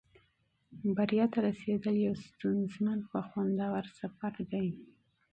بریا ته رسېدل یو ستونزمن خو خوندور سفر دی.